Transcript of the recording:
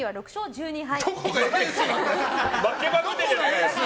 １２敗？